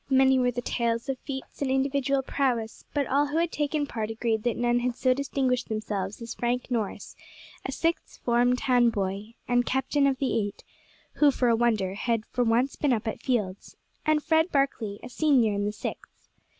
Many were the tales of feats of individual prowess; but all who had taken part agreed that none had so distinguished themselves as Frank Norris, a Sixth Form town boy, and captain of the eight who, for a wonder had for once been up at fields and Fred Barkley, a senior in the Sixth.